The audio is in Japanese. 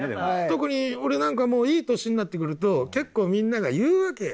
特に俺なんかもういい年になってくると結構みんなが言うわけ。